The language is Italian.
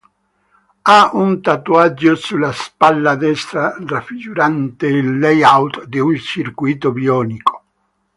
Ha un tatuaggio sulla spalla destra, raffigurante il layout di un circuito bionico.